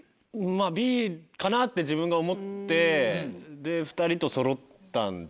まぁＢかなって自分が思ってで２人とそろったんで。